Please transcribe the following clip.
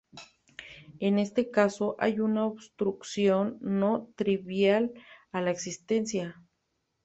En este caso, hay una obstrucción no trivial a la existencia.